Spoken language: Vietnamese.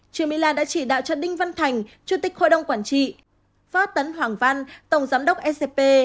trương mỹ lan đã chỉ đạo cho đinh văn thành chủ tịch hội đồng quản trị phát tấn hoàng văn tổng giám đốc scp